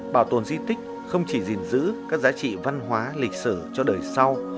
bảo tồn di tích không chỉ gìn giữ các giá trị văn hóa lịch sử cho đời sau